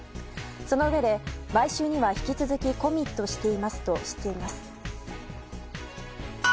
そのうえで買収には引き続きコミットしていますとしています。